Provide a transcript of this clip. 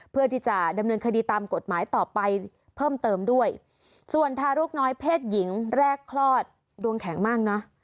เพื่อที่จะดำเนินคดีตามกฎหมายต่อไปเพิ่มเติมด้วยส่วนทารกน้อยเพศหญิงแรกคลอดดวงแข็งมากนะ